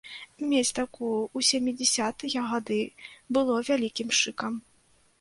Мець такую ў сямідзясятыя гады было вялікім шыкам.